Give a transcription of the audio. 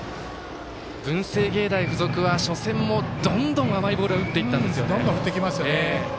文星芸大付属は初戦もどんどん甘いボールはどんどん振ってきますよね。